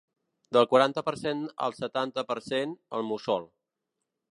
Del quaranta per cent al setanta per cent, el mussol.